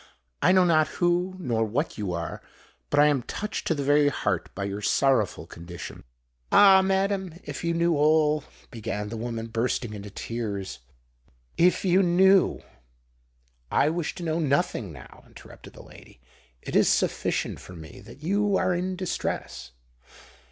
"I know not who nor what you are; but I am touched to the very heart by your sorrowful condition." "Ah! madam, if you knew all—" began the woman, bursting into tears; "if you knew——" "I wish to know nothing now," interrupted the lady. "It is sufficient for me that you are in distress."